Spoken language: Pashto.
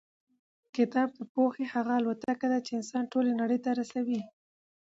کتاب د پوهې هغه الوتکه ده چې انسان ټولې نړۍ ته رسوي.